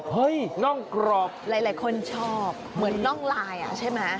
น่องกรอบหลายคนชอบเหมือนน่องลายอ่ะใช่ไหม